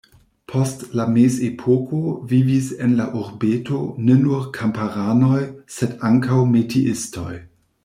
Post la mezepoko vivis en la urbeto ne nur kamparanoj, sed ankaŭ metiistoj.